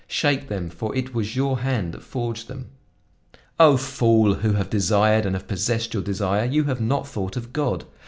Shake them, for it was your hand that forged them. O fool! who have desired, and have possessed your desire, you have not thought of God!